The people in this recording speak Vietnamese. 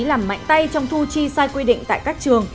làm mạnh tay trong thu chi sai quy định tại các trường